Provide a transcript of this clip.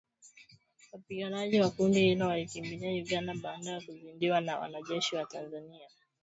Wapiganaji wa kundi hilo walikimbilia Uganda baada ya kuzidiwa na na wanajeshi wa Tanzania, Malawi, Jamuhuri ya kidemokrasia ya kongo na Afrika kusini